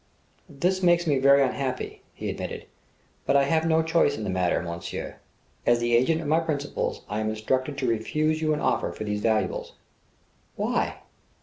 "This makes me very unhappy," he admitted: "but I have no choice in the matter, monsieur. As the agent of my principals I am instructed to refuse you an offer for these valuables." "Why?"